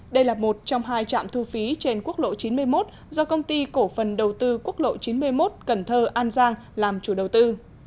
đây là một trong hai trạm thu phí trên quốc lộ chín mươi một do công ty cổ phần đầu tư quốc lộ chín mươi một cần thơ an giang làm chủ đầu tư